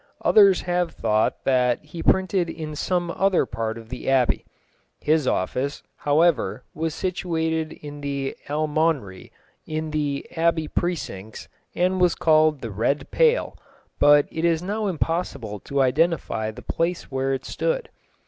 Others have thought that he printed in some other part of the Abbey. His office, however, was situated in the Almonry, in the Abbey precincts, and was called the Red Pale, but it is now impossible to identify the place where it stood.